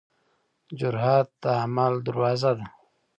جرئت د عمل دروازه ده.